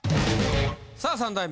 さあ三代目。